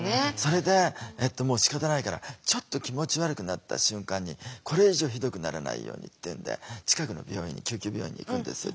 それでしかたないからちょっと気持ち悪くなった瞬間にこれ以上ひどくならないようにっていうんで近くの病院に救急病院に行くんですよ